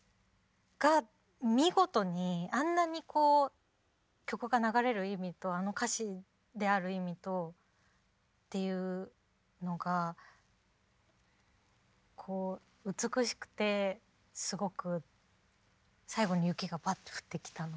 が見事にあんなにこう曲が流れる意味とあの歌詞である意味とっていうのがこう美しくてすごく最後に雪がバッと降ってきたのも。